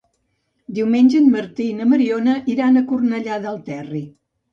Diumenge en Martí i na Mariona iran a Cornellà del Terri.